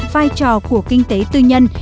vai trò của kinh tế tư nhân